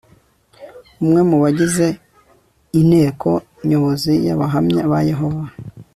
umwe mu bagize inteko nyobozi y'abahamya ba yehova